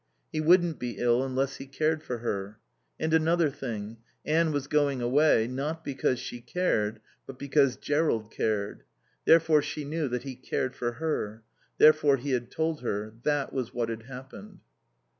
He wouldn't be ill unless he cared for her. And another thing. Anne was going away, not because she cared, but because Jerrold cared. Therefore she knew that he cared for her. Therefore he had told her. That was what had happened.